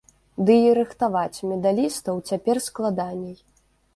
Ды і рыхтаваць медалістаў цяпер складаней.